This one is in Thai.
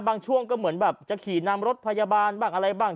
ช่วงก็เหมือนแบบจะขี่นำรถพยาบาลบ้างอะไรบ้าง